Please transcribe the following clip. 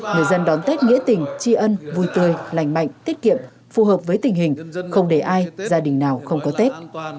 người dân đón tết nghĩa tình tri ân vui tươi lành mạnh tiết kiệm phù hợp với tình hình không để ai gia đình nào không có tết